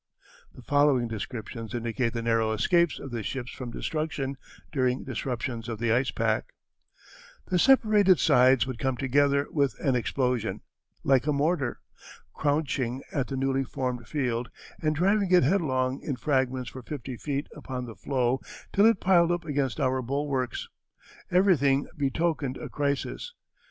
The following descriptions indicate the narrow escapes of the ships from destruction during disruptions of the ice pack: "The separated sides would come together with an explosion like a mortar, craunching the newly formed field and driving it headlong in fragments for fifty feet upon the floe till it piled up against our bulwarks. Everything betokened a crisis.